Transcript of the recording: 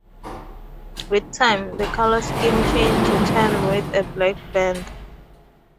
With time, the colour scheme changed to tan with a black band.